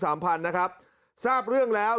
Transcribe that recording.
สามพันนะครับทราบเรื่องแล้ว